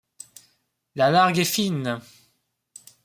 La largue est fine !